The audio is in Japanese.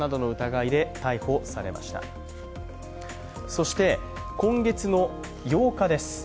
そして今月の８日です。